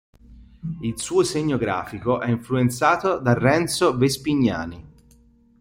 Il suo segno grafico è influenzato da Renzo Vespignani.